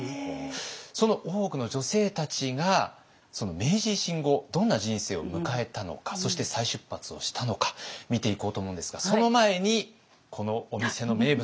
その大奥の女性たちが明治維新後どんな人生を迎えたのかそして再出発をしたのか見ていこうと思うんですがその前にこのお店の名物であります